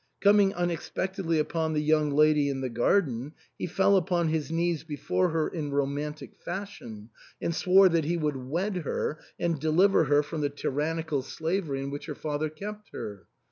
Coming unexpectedly upon the young lady in the garden, he fell upon his knees before her in romantic fashion, and swore that he would wed her and deliver her from the tyrannical slavery in which her father kept her.